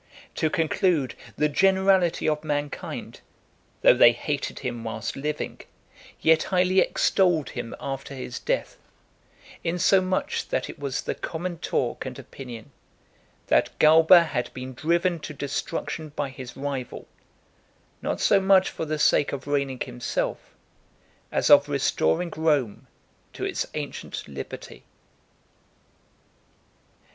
To conclude: the generality of mankind, though they hated him whilst living, yet highly extolled him after his death; insomuch that it was the common talk and opinion, "that Galba had been driven to destruction by his rival, not so much for the sake of reigning himself, as of restoring Rome to its ancient liberty."